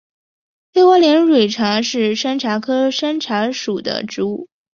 微花连蕊茶是山茶科山茶属的植物。